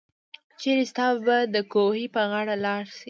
چيري ستاه به دکوهي په غاړه لار شي